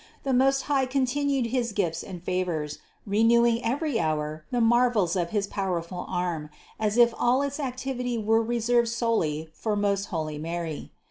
The Most High continued his gifts and favors, renewing every hour the marvels of his powerful arm, as if all its activity were reserved solely for most holy Mary.